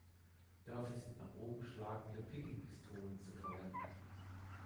Dafür sind nach oben schlagende Picking-Pistolen zu verwenden.